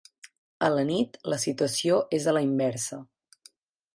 A la nit la situació és a la inversa.